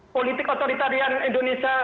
politik otoritarian indonesia